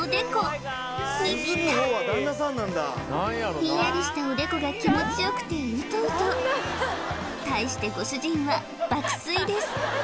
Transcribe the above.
ひんやりしたおでこが気持ちよくてウトウト対してご主人は爆睡です